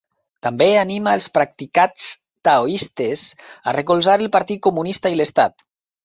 També anima els practicats taoistes a recolzar el Partit Comunista i l'Estat.